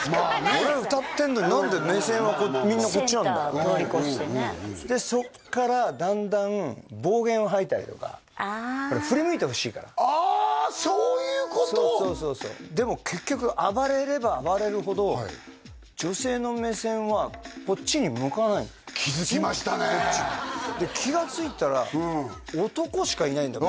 俺歌ってんのに何で目線はみんなこっちなんだよでそっからだんだん暴言を吐いたりとかああそういうことそうそうそうそうでも結局暴れれば暴れるほど女性の目線はこっちに向かないの気づきましたねで気がついたら男しかいないんだよ